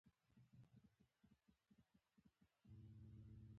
رئیس جمهور خپلو عسکرو ته امر وکړ؛ د بیولوژیکي وسلو ضد جامې واغوندئ!